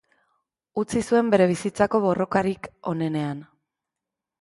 Utzi zuen, bere bizitzako borrokarik onenean.